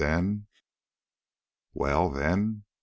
Then " "Well, then?"